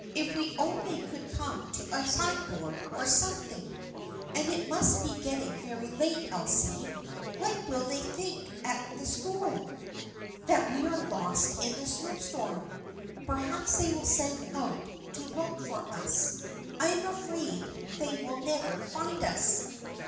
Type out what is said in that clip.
If we only could come to a sign board or something ! And it must be getting very late, Elsie. What will they think at the school ?"" That we are lost in the snow storm. Perhaps they will send out to look for us. I am afraid they will never find us."